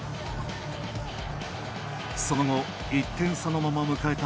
その後、１点差のまま迎えた